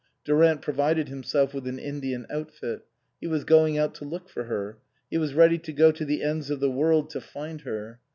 Durant provided himself with an Indian outfit. He was going out to look for her ; he was ready to go to the ends of the world to find her.